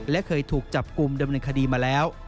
และเคยถูกจับกลุ่มดำเนินคดีมาแล้ว